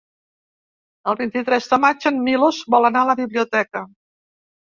El vint-i-tres de maig en Milos vol anar a la biblioteca.